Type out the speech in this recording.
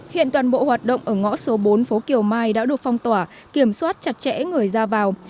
hiện toàn bộ hoạt động ở ngõ số bốn phố kiều mai đã được phong tỏa kiểm soát chặt chẽ người ra vào